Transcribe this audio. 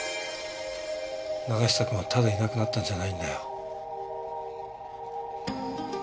永久くんはただいなくなったんじゃないんだよ。